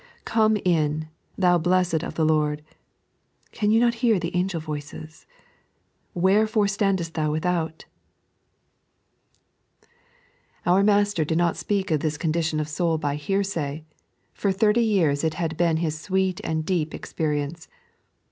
" Come in, thou blessed of the Lord" (can you not hear the angel voices?); "wherefore standest thou without 1 " 3.n.iized by Google " Not Ai^ne" 17 Our Master did not sipeak of tbia condition of soul by hearsay ; for tbirty years it had been His sweet and deep experience.